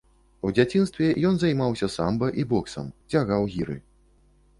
У дзяцінстве ён займаўся самба і боксам, цягаў гіры.